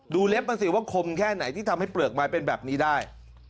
เล็บมาสิว่าคมแค่ไหนที่ทำให้เปลือกไม้เป็นแบบนี้ได้